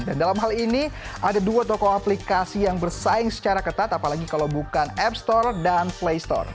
dan dalam hal ini ada dua toko aplikasi yang bersaing secara ketat apalagi kalau bukan app store dan play store